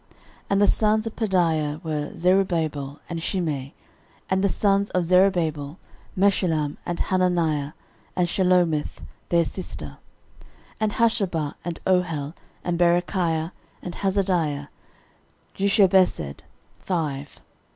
13:003:019 And the sons of Pedaiah were, Zerubbabel, and Shimei: and the sons of Zerubbabel; Meshullam, and Hananiah, and Shelomith their sister: 13:003:020 And Hashubah, and Ohel, and Berechiah, and Hasadiah, Jushabhesed, five.